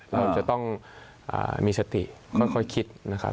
เรามันจะต้องมีสะตี่ค่อยคิด